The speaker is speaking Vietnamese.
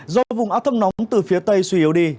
do vùng áp thấp nóng từ phía tây suy yếu đi